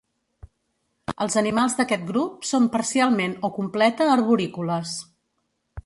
Els animals d'aquest grup són parcialment o completa arborícoles.